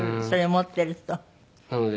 それ持ってると。